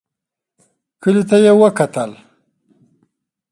کلي ته يې وکتل.